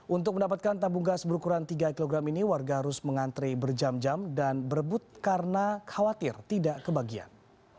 untuk mendapatkan tabung gas berukuran tiga kg ini warga harus mengantre berjam jam dan berebut karena khawatir tidak kebagian